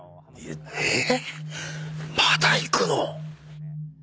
えっ⁉まだいくの⁉